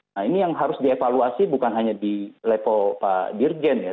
nah ini yang harus dievaluasi bukan hanya di level pak dirjen ya